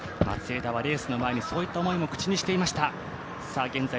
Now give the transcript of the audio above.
松枝はレースの前にそういったことを口にしていました。